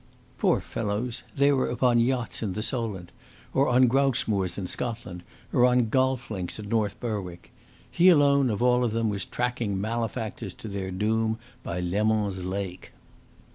Poor fellows, they were upon yachts in the Solent or on grouse moors in Scotland, or on golf links at North Berwick. He alone of them all was tracking malefactors to their doom by Leman's Lake.